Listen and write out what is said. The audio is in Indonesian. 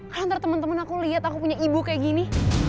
kalo ntar temen temen aku liat aku punya ibu kayak gini